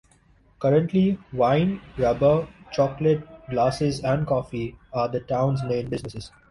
Currently, wine, rubber, chocolate, glasses and coffee are the town's main businesses.